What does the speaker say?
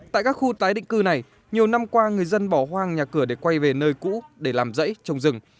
tại các khu tái định cư này nhiều năm qua người dân bỏ hoang nhà cửa để quay về nơi cũ để làm rẫy trồng rừng